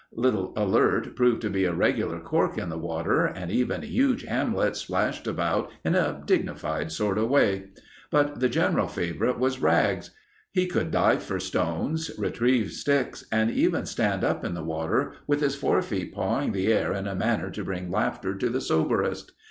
Little Alert proved to be a regular cork in the water, and even huge Hamlet splashed about in a dignified sort of way. But the general favorite was Rags. He could dive for stones, retrieve sticks, and even stand up in the water, with his fore feet pawing the air in a manner to bring laughter to the soberest.